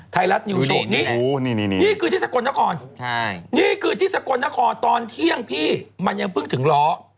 ไทยรัฐนิวโชว์นี้นี่คือที่สกลนครนี่คือที่สกลนครตอนเที่ยงพี่มันยังเพิ่งถึงล้อ